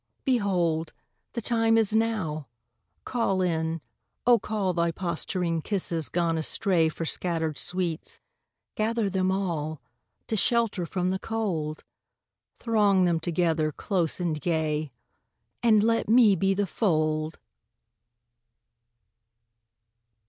Behold, The time is now! Call in, O call Thy posturing kisses gone astray For scattered sweets. Gather them all To shelter from the cold. Throng them together, close and gay, And let me be the fold!